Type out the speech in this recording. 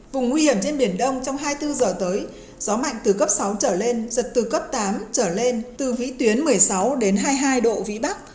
vùng nguy hiểm trên biển đông trong hai mươi bốn giờ tới gió mạnh từ cấp sáu trở lên giật từ cấp tám trở lên từ vĩ tuyến một mươi sáu đến hai mươi hai độ vĩ bắc